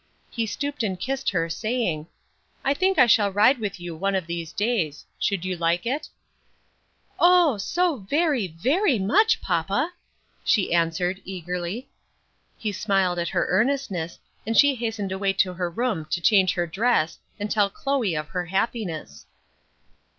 He stooped and kissed her, saying, "I think I shall ride with you one of these days; should you like it?" "Oh! so very, very much, papa," she answered, eagerly. He smiled at her earnestness, and she hastened away to her room to change her dress and tell Chloe of her happiness.